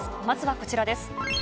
まずはこちらです。